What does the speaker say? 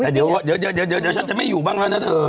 แต่เดี๋ยวฉันจะไม่อยู่บ้างแล้วนะเธอ